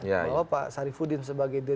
bahwa pak syarifudin sebagai